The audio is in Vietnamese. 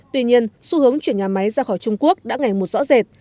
tuy nhiên xu hướng chuyển nhà máy ra khỏi trung quốc đã ngày một rõ rệt